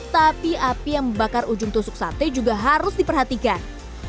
tapi api yang membakar ujung tusuk sate juga harus diperhatikan